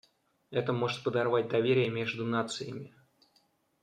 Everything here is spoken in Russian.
Это может подорвать доверие между нациями.